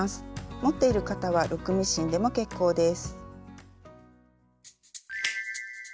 持っている方はロックミシンでも結構です。